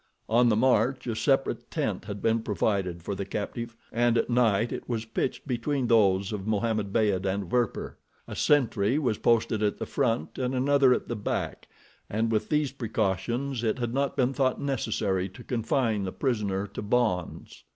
On the march a separate tent had been provided for the captive, and at night it was pitched between those of Mohammed Beyd and Werper. A sentry was posted at the front and another at the back, and with these precautions it had not been thought necessary to confine the prisoner to bonds.